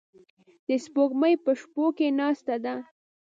د سپوږمۍ په شپو کې ناسته ده